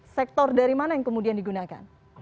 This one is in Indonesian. sektor dari mana yang kemudian digunakan